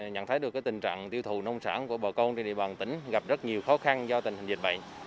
nhận thấy được tình trạng tiêu thụ nông sản của bà con trên địa bàn tỉnh gặp rất nhiều khó khăn do tình hình dịch bệnh